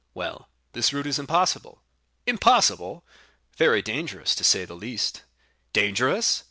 "Well, this route is impossible." "Impossible!" "Very dangerous, to say the least." "Dangerous!